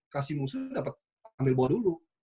kasih musuh dapet ambil ball dulu